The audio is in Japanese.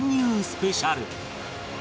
スペシャル